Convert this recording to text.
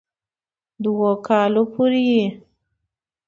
دوؤ کالو پورې ئې